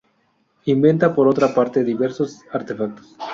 Inventa, por otra parte, diversos artefactos.